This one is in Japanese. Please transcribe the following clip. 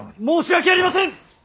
申し訳ありません！